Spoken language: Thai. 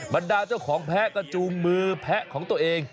บรรดาเจ้าของแพ้ก็จูงมือแพะของตัวเอง